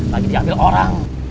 lagi diambil orang